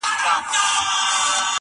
ته پاچا ځان مي وزیر جوړ کړ ته نه وې؛